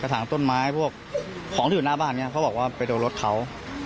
ถังต้นไม้พวกของที่อยู่หน้าบ้านเนี่ยเขาบอกว่าไปโดนรถเขา